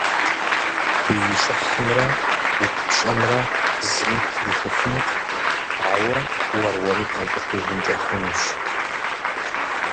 Уи щӀыхьымрэ уи пщӀэмрэ зыми птрихыфынукъым, ауэ уэр-уэру бгъэкӀуэдыжынкӀэ хъунущ.